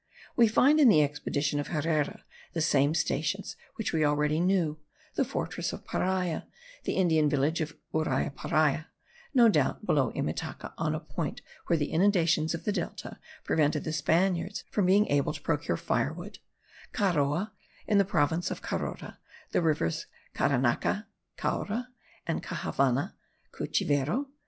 We find in the expedition of Herrera the same stations which we already knew; the fortress of Paria, the Indian village of Uriaparia (no doubt below Imataca, on a point where the inundations of the delta prevented the Spaniards from being able to procure firewood), Caroa, in the province of Carora; the rivers Caranaca (Caura?) and Caxavana (Cuchivero?)